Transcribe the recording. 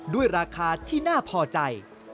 ด้วยราคาที่น่าพอใจ